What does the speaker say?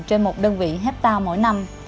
trên một đơn vị hectare mỗi năm